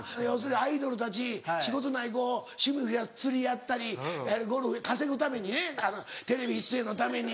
アイドルたち仕事ない子趣味増やす釣りやったりゴルフ稼ぐためにねテレビ出演のために。